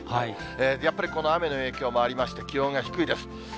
やっぱりこの雨の影響もありまして、気温が低いです。